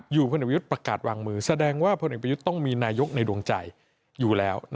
อยู่ประกาศวางมือแสดงว่าประยุทธ์ต้องมีนายกในดวงใจอยู่แล้ว